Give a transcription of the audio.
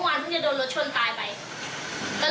ไม่ขวดรถคือนอนนิ่งไม่ยุ่งกับใคร